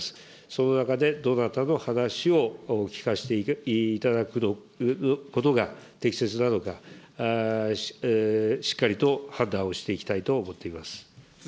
その中でどなたの話を聞かせていただくことが適切なのか、しっかりと判断をしていきたいと思っています。